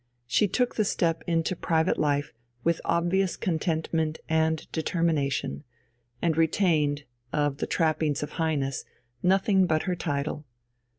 She took the step into private life with obvious contentment and determination, and retained, of the trappings of Highness, nothing but her title.